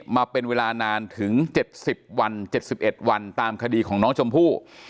มาเป็นเวลานานถึง๗๐วัน๗๑วันตามคดีของน้องชมพู่